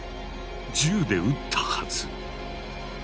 銃で撃ったはず。